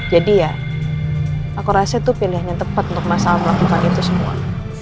jadi ya aku rasa itu pilihan yang tepat untuk mas al melakukan itu semua